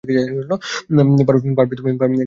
পারবে তুমি, বাবা।